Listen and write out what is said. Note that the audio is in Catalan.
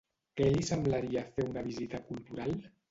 Què li semblaria fer una visita cultural?